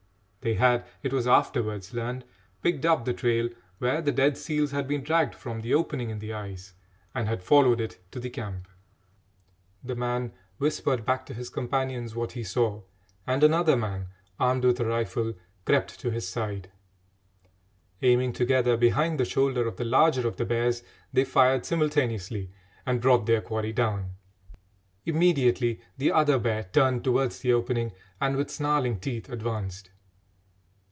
They had, it was afterwards learned, picked up the trail where the dead seals had been dragged from the opening in the ice, and had followed it to the camp. [Illustration: AN ADDITION TO THE EXPLORERS' SUPPLY OF PROVISIONS.] The man whispered back to his companions what he saw, and another man, armed with a rifle, crept to his side. Aiming together behind the shoulder of the larger of the bears, they fired simultaneously and brought their quarry down. Immediately the other bear turned towards the opening and, with snarling teeth, advanced.